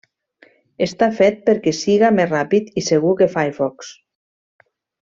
Està fet perquè siga més ràpid i segur que Firefox.